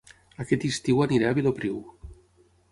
Aquest estiu aniré a Vilopriu